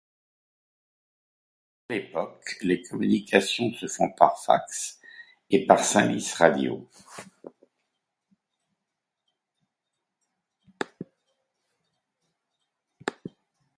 À l'époque, les communications se font par fax et par Saint-Lys radio.